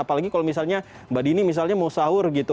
apalagi kalau misalnya mbak dini misalnya mau sahur gitu